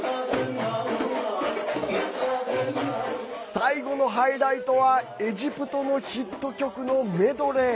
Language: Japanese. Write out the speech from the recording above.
最後のハイライトはエジプトのヒット曲のメドレー。